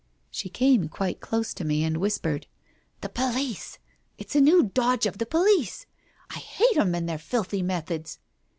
She came quite close to me and whispered, "The police ! It's a new dodge of the police. I hate 'em and their filthy methods